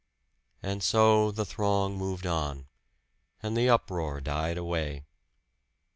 And so the throng moved on, and the uproar died away.